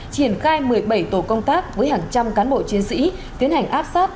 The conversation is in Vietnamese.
triển khai một mươi bảy tổ công tác với hàng trăm cán bộ chiến sĩ tiến hành áp sát